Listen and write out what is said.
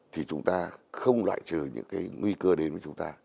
thì chúng ta không loại trừ những cái nguy cơ đến với chúng ta